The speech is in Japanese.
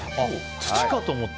土かと思った。